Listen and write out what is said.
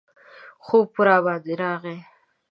خوب راباندې راغی.